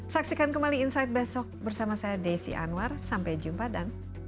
saksikan kembali insight besok bersama saya desi anwar sampai jumpa dan